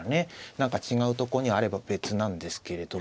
何か違うとこにあれば別なんですけれども。